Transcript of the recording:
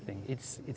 tidak ada hal tertentu